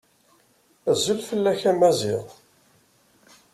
Azul fell-ak a Maziɣ.